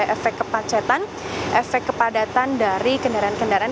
efek kemacetan efek kepadatan dari kendaraan kendaraan